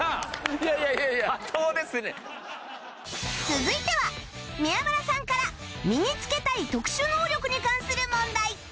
続いては宮村さんから身につけたい特殊能力に関する問題